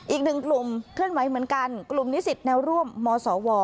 อีกหนึ่งกลุ่มเคลื่อนไหวเหมือนกันกลุ่มนิสิตแนวร่วมมศว